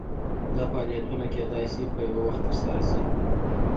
دا فعالیتونه کیدای شي په یو وخت ترسره شي.